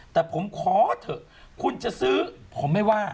แต่ผมขอเถอะคุณจะซื้อผมไม่ว่า